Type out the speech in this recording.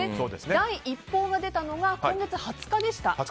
第一報が出たのが今月２０日でした。